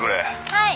はい。